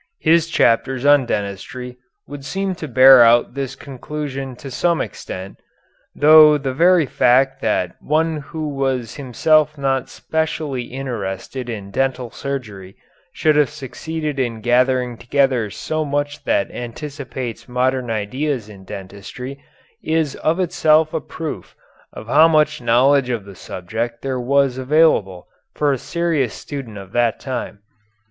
His chapters on dentistry would seem to bear out this conclusion to some extent, though the very fact that one who was himself not specially interested in dental surgery should have succeeded in gathering together so much that anticipates modern ideas in dentistry, is of itself a proof of how much knowledge of the subject there was available for a serious student of that time.